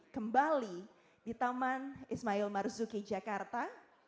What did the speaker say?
kembali di taman ismail marzuki jakarta